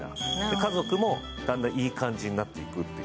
家族もだんだんいい感じになっていくという。